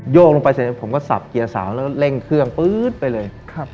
กลงไปเสร็จผมก็สับเกียร์สาวแล้วเร่งเครื่องปื๊ดไปเลย